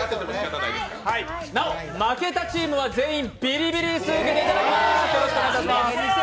なお負けたチームは全員ビリビリ椅子を受けていただきます。